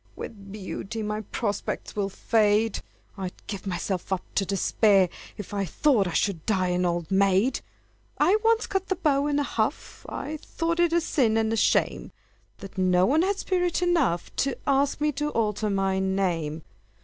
With beauty my prospects will fade I'd give myself up to despair If I thought I should die an old maid! I once cut the beaux in a huff I thought it a sin and a shame That no one had spirit enough To ask me to alter my name.